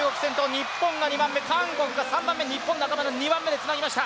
日本が２番目、韓国が３番目中村、２番目でつなげました。